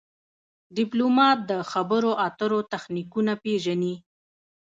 ډيپلومات د خبرو اترو تخنیکونه پېژني.